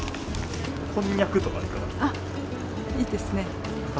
こんにゃくとかいかがですか？